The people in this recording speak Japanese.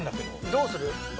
どうする？